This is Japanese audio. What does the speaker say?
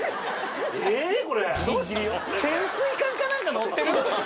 潜水艦か何か乗ってる？